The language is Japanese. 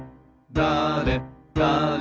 だれだれ